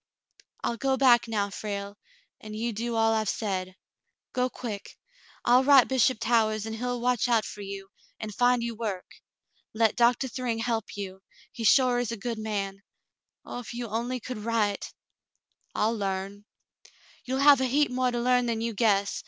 "I'll go back now, Frale, and you do all I've said. Go quick. I'll write Bishop Towahs, and he'll watch out for you, and find you work. Let Doctah Thryng help you. He sure is a good man. Oh, if you only could write !" "I'll larn." "You'll have a heap more to learn than you guess.